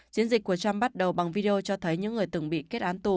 chiến dịch của trump bắt đầu bằng video cho thấy những người từng bị kết án tù